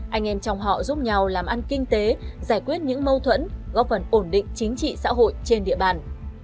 anh em trong họ giúp nhau làm ăn kinh tế giải quyết những mâu thuẫn góp phần ổn định chính trị xã hội trên địa bàn